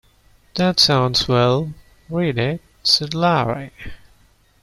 "That sounds well; read it," said Larry.